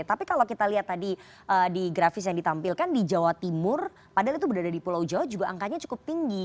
tapi kalau kita lihat tadi di grafis yang ditampilkan di jawa timur padahal itu berada di pulau jawa juga angkanya cukup tinggi